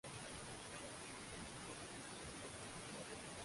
Wakati mwili wa mtu unahisi haja ya kutumia mihadarati